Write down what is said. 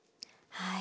はい。